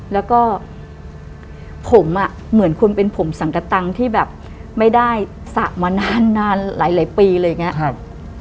แล้วก็ผมเหมือนคนเป็นผมสังกตังที่แบบไม่ได้สระมานานหลายปีเลยอย่างนี้